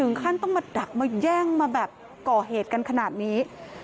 ขั้นต้องมาดักมาแย่งมาแบบก่อเหตุกันขนาดนี้